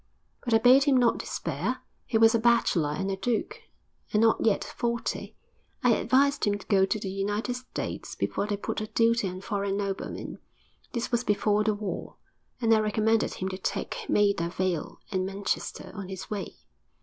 But I bade him not despair. He was a bachelor and a duke, and not yet forty. I advised him to go to the United States before they put a duty on foreign noblemen; this was before the war; and I recommended him to take Maida Vale and Manchester on his way.